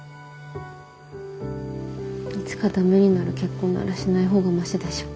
いつかダメになる結婚ならしないほうがマシでしょ。